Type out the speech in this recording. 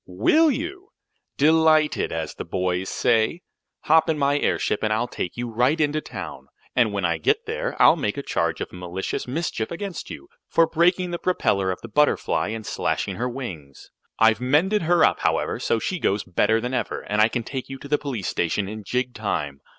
"Will you? Delighted, as the boys say. Hop in my airship and I'll take you right into town. And when I get you there I'll make a charge of malicious mischief against you, for breaking the propeller of the Butterfly and slashing her wings. I've mended her up, however, so she goes better than ever, and I can take you to the police station in jig time.